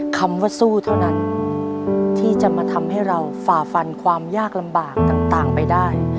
คำว่าสู้เท่านั้นที่จะมาทำให้เราฝ่าฟันความยากลำบากต่างไปได้